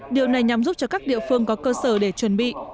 điều này nhằm giúp cho các địa phương có cơ sở để chuẩn bị